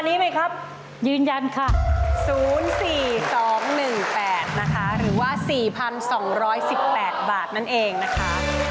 ร้อยสิบแปดบาทนั่นเองนะคะ